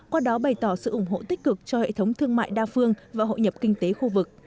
qua đó bày tỏ sự ủng hộ tích cực cho hệ thống thương mại đa phương và hội nhập kinh tế khu vực